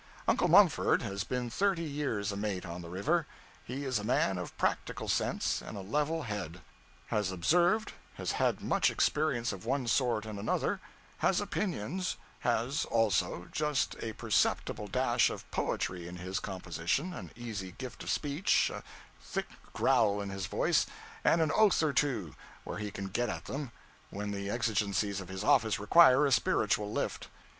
Uncle Mumford has been thirty years a mate on the river. He is a man of practical sense and a level head; has observed; has had much experience of one sort and another; has opinions; has, also, just a perceptible dash of poetry in his composition, an easy gift of speech, a thick growl in his voice, and an oath or two where he can get at them when the exigencies of his office require a spiritual lift.